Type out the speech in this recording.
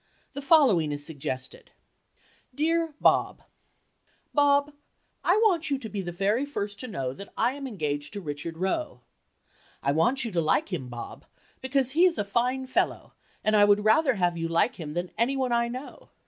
The following is suggested: "Dear Bob— Bob, I want you to be the very first to know that I am engaged to Richard Roe. I want you to like him, Bob, because he is a fine fellow and I would rather have you like him than any one I know.